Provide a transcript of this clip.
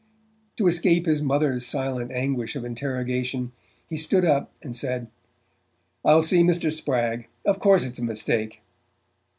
To escape his mother's silent anguish of interrogation he stood up and said: "I'll see Mr. Spragg of course it's a mistake."